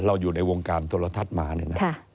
อยู่ในวงการโทรทัศน์มาเนี่ยนะ